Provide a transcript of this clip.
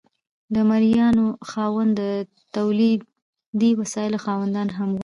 د مرئیانو خاوندان د تولیدي وسایلو خاوندان هم وو.